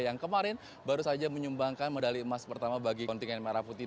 yang kemarin baru saja menyumbangkan medali emas pertama bagi kontingen merah putih